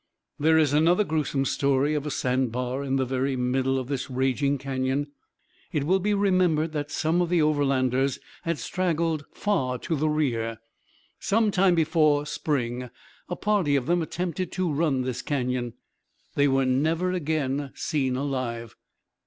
There is another gruesome story of a sand bar in the very middle of this raging canyon. It will be remembered that some of the Overlanders had straggled far to the rear. Some time before spring a party of them attempted to run this canyon. They were never again seen alive.